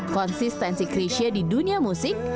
konsistensi krisha di dunia musik